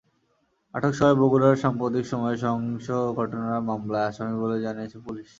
আটক সবাই বগুড়ায় সাম্প্রতিক সময়ে সহিংস ঘটনার মামলার আসামি বলে জানিয়েছে পুলিশ।